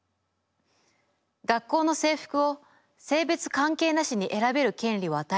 「学校の制服を性別関係無しに選べる権利を与えてほしい。